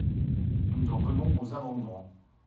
Nous en venons aux amendements.